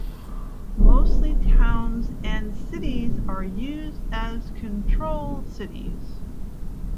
Mostly towns and cities are used as control cities.